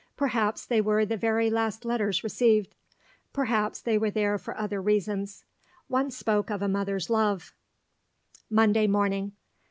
Perhaps they were the very last letters received; perhaps they were there for other reasons. One spoke of a mother's love: Monday morning.